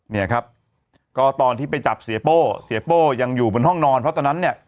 เนี่ยครับก็ตอนที่ไปจับเสียโป้เสียโป้ยังอยู่บนห้องนอนเพราะตอนนั้นเนี่ย